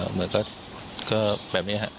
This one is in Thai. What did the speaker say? เหมือนก็แบบนี้ครับ